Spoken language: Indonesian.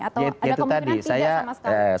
atau ada kemungkinan tidak sama sekali